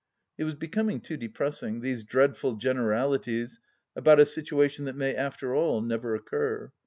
... It was becoming too depressing, these dreadful generalities about a situation that may after all never occur.